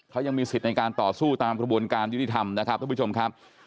เขายังมีสิทธิ์ในการต่อสู้ตามกระบวนการยุติธรรมนะครับท่านผู้ชมครับ